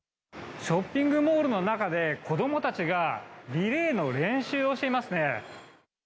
ショッピングモールの中で、子どもたちがリレーの練習をしていますね。